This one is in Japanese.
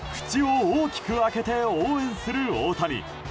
口を大きく開けて応援する大谷。